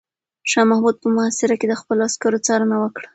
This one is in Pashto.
شاه محمود په محاصره کې د خپلو عسکرو څارنه وکړه.